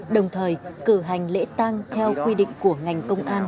đồng thời cử hành lễ tăng theo quy định